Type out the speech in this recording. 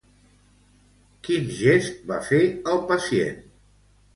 Quin gest va fer el pacient?